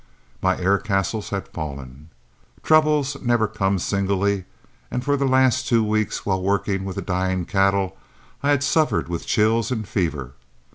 My air castles had fallen. Troubles never come singly, and for the last two weeks, while working with the dying cattle, I had suffered with chills and fever.